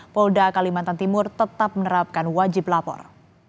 polda kalimantan timur tetap menerapkan wajib lapor